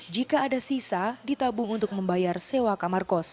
jika ada sisa ditabung untuk membayar sewa kamarkos